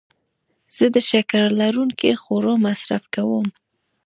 زه د شکر لرونکو خوړو مصرف کموم.